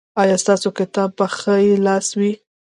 ایا ستاسو کتاب به په ښي لاس وي؟